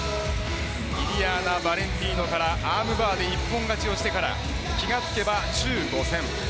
イリアーナ・ヴァレンティーノからアームバーで一本勝ちしてから気が付けば１５戦。